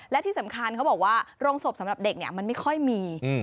และที่สำคัญเขาบอกว่าโรงศพสำหรับเด็กเนี่ยมันไม่ค่อยมี